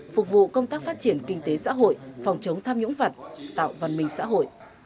phục vụ công tác phát triển kinh tế xã hội phòng chống tham nhũng vật tạo văn minh xã hội